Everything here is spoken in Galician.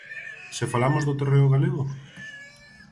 Se falamos do terreo galego?